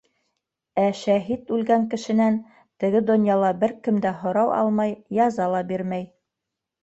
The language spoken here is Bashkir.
Ә шәһит үлгән кешенән теге донъяла бер кем дә һорау алмай, яза ла бирмәй.